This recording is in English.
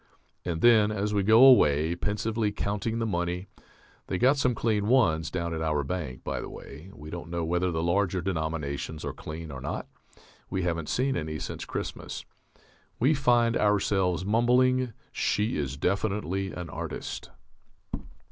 _ And then, as we go away, pensively counting the money (they've got some clean Ones down at our bank, by the way; we don't know whether the larger denominations are clean or not, we haven't seen any since Christmas), we find ourself mumbling, _She is definitely an artist.